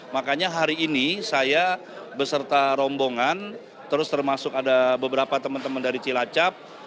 makanya hari ini saya beserta rombongan terus termasuk ada beberapa teman teman dari cilacap